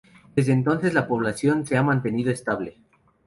Desde entonces, la población se ha mantenido estable.